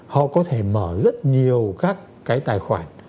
họ có thể mở rất nhiều các cái tài khoản